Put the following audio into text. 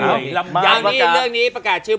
เรื่องนี้ประกาศชื่อผู้โชคดี